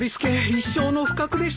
一生の不覚でした。